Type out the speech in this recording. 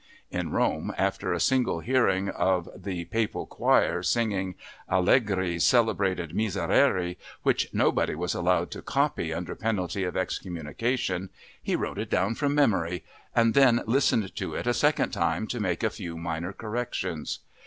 In Rome, after a single hearing of the Papal choir singing Allegri's celebrated Miserere, which nobody was allowed to copy under penalty of excommunication, he wrote it down from memory and then listened to it a second time to make a few minor corrections.